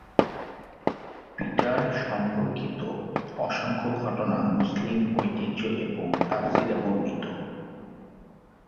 Peter সম্পর্কিত অসংখ্য ঘটনা মুসলিম ঐতিহ্য এবং তাফসীরে বর্ণিত।